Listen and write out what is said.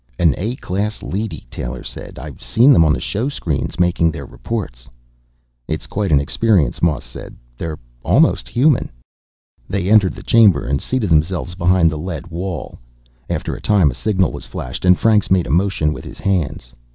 "An A class leady," Taylor said. "I've seen them on the showscreens, making their reports." "It's quite an experience," Moss said. "They're almost human." They entered the chamber and seated themselves behind the lead wall. After a time, a signal was flashed, and Franks made a motion with his hands.